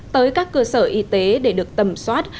tới các cơ sở y tế để được tầm soát